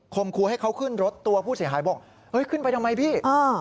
ครูให้เขาขึ้นรถตัวผู้เสียหายบอกเอ้ยขึ้นไปทำไมพี่